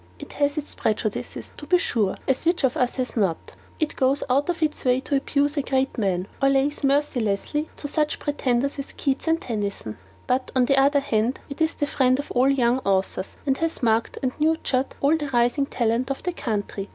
It has its prejudices, to be sure, as which of us has not? It goes out of its way to abuse a great man, or lays mercilessly on to such pretenders as Keats and Tennyson; but, on the other hand, it is the friend of all young authors, and has marked and nurtured all the rising talent of the country.